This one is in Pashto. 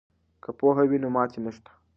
که پوهه وي نو ماتې نشته.